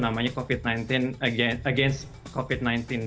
namanya covid sembilan belas against covid sembilan belas